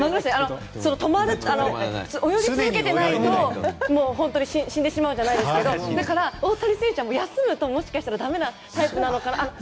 泳ぎ続けていないと死んでしまうじゃないですけどだから、大谷選手は休むともしかしたらだめなタイプなのかな。